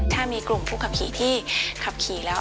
ถ้ามีกลุ่มผู้ขับขี่ที่ขับขี่แล้ว